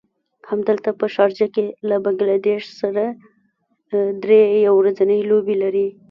همدلته په شارجه کې له بنګله دېش سره دری يو ورځنۍ لوبې لري.